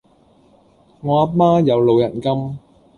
我阿媽有老人金